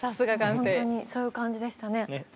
本当にそういう感じでしたね。